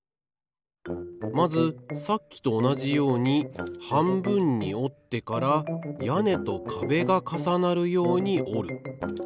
まずさっきとおなじようにはんぶんにおってからやねとかべがかさなるようにおる。